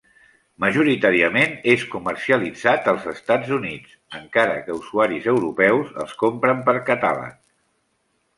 Majoritàriament és comercialitzat als Estats Units, encara que usuaris europeus els compren per catàleg.